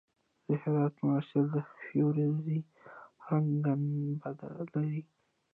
د هرات موسیلا د فیروزي رنګ ګنبد لري